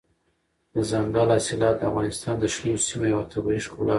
دځنګل حاصلات د افغانستان د شنو سیمو یوه طبیعي ښکلا ده.